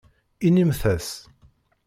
Inimt-as.